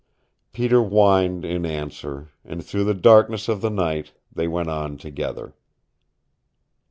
Peter whined in answer, and through the darkness of the night they went on together.